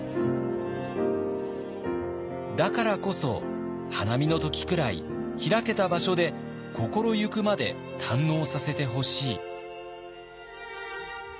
だからこそ花見の時くらい開けた場所で心行くまで堪能させてほしい。